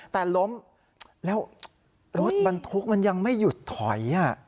แต่ล้มแล้วรถบรรทุกมันยังไม่หยุดถอย